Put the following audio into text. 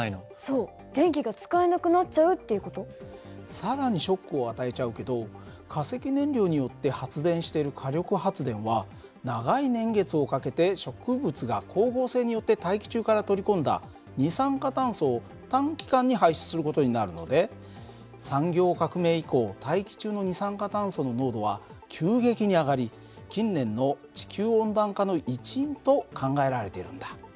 更にショックを与えちゃうけど化石燃料によって発電している火力発電は長い年月をかけて植物が光合成によって大気中から取り込んだ二酸化炭素を短期間に排出する事になるので産業革命以降大気中の二酸化炭素の濃度は急激に上がり近年の地球温暖化の一因と考えられているんだ。